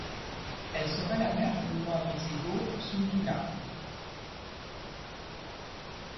Elle serait la mère du roi wisigoth Swinthila.